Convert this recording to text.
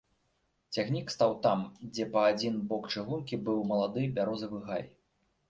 Цягнік стаў там, дзе па адзін бок чыгункі быў малады бярозавы гай.